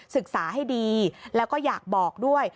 ศึกษาให้ดีแล้วก็อยากบอกด้วย